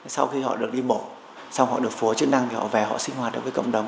sau khi họ được đi mổ xong họ được phố chức năng thì họ về họ sinh hoạt được với cộng đồng